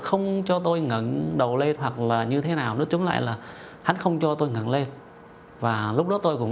không cho tôi ngẩn đầu lên hoặc là như thế nào nó chống lại là hắn không cho tôi ngẩn lên